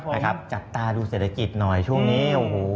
นะครับจับตาดูเศรษฐกิจหน่อยเช่านี้